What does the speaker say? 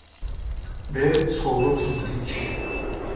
მე ვცხოვრობ ზუგდიდში.